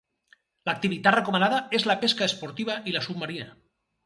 L'activitat recomanada és la pesca esportiva i la submarina.